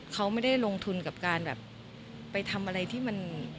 เขาไม่ได้ลงทุนกับการแบบไปทำอะไรที่มัน